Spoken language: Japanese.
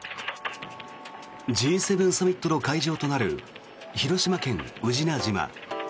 Ｇ７サミットの会場となる広島県・宇品島。